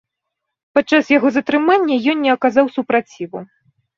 Падчас яго затрымання ён не аказаў супраціву.